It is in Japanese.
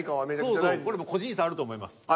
そうそう個人差あると思います。